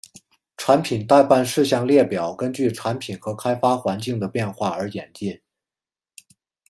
产品待办事项列表根据产品和开发环境的变化而演进。